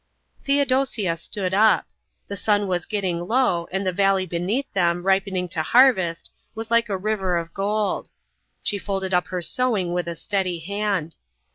Theodosia stood up. The sun was getting low, and the valley beneath them, ripening to harvest, was like a river of gold. She folded up her sewing with a steady hand.